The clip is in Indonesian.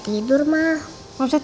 ini orang luar biasa